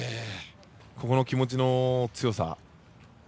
ここの気持ちの強さ。